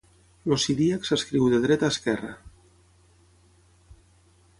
El siríac s'escriu de dreta a esquerra.